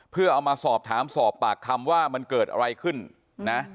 เพื่อเอามาสอบถามสอบปากคำว่ามันเกิดอะไรขึ้นนะ